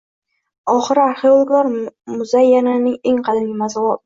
Oxiri arxeologlar muzayyanning eng qadimiy manzilgohi